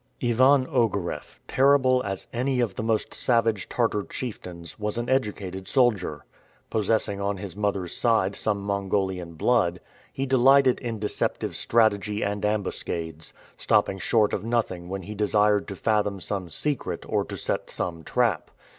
Ivan Ogareff, terrible as any of the most savage Tartar chieftains, was an educated soldier. Possessing on his mother's side some Mongolian blood, he delighted in deceptive strategy and ambuscades, stopping short of nothing when he desired to fathom some secret or to set some trap.